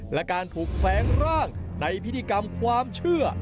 และการถูกแฝงร่างในพิธีกรรมความเชื่อ